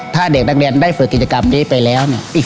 ถ้าเด็กนักเรียนได้ฝึกกิจกรรมนี้ไปแล้วเนี่ย